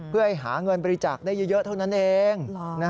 เพื่อให้หาเงินบริจาคได้เยอะเท่านั้นเอง